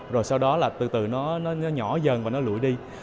rồi sau đó từ từ nó nhỏ dần và lụi đi